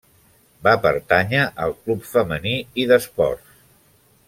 Va pertànyer al Club Femení i d'Esports.